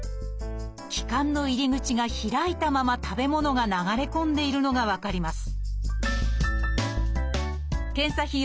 気管の入り口が開いたまま食べ物が流れ込んでいるのが分かります